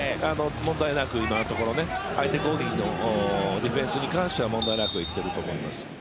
問題なく今のところ相手攻撃のディフェンスは問題なくいっていると思います。